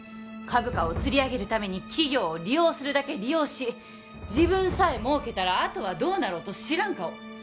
株価をつり上げるために企業を利用するだけ利用し自分さえ儲けたらあとはどうなろうと知らん顔